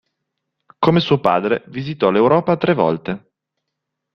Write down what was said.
Come suo padre, visitò l'Europa tre volte.